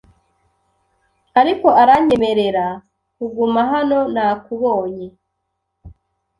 Ariko aranyemerera kuguma hano, Nakubonye